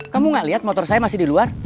kamu gak lihat motor saya masih di luar